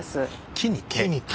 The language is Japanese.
木に毛？